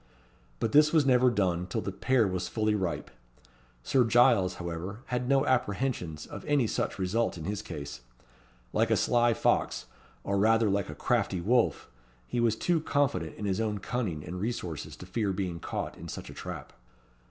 But this was never done till the pear was fully ripe. Sir Giles, however, had no apprehensions of any such result in his case. Like a sly fox, or rather like a crafty wolf, he was too confident in his own cunning and resources to fear being caught in such a trap.